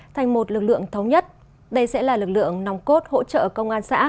thành một lực lượng thống nhất đây sẽ là lực lượng nòng cốt hỗ trợ công an xã